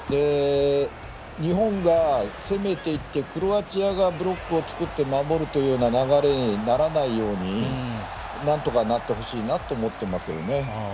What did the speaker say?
日本が攻めていってクロアチアがブロックを作って守るというような流れにならないようになんとかなってほしいなと思っていますけどね。